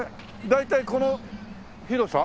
大体この広さ？